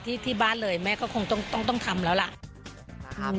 ที่บ้านเลยแม่ก็คงต้องทำแล้วล่ะ